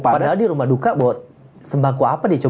padahal di rumah duka bawa sembako apa